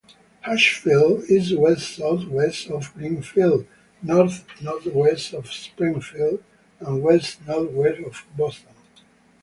Ashfield is west-southwest of Greenfield, north-northwest of Springfield, and west-northwest of Boston.